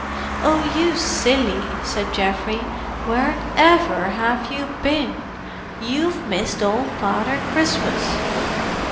"Oh, you silly!" said Geoffrey. "Where ever have you been? You've missed ole Father Christmas!"